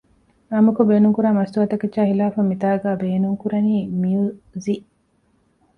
ޢާއްމުކޮށް ބޭނުންކުރާ މަސްތުވާ ތަކެއްޗާ ޚިލާފަށް މިތާނގައި ބޭނުން ކުރަނީ މިޔުޒިއް